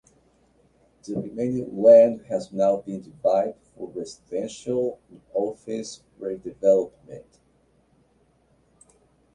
The remaining land has now been divided up for residential and office re-development.